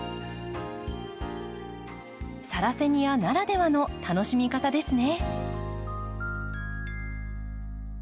サラセニアならではの楽しみ方ですね。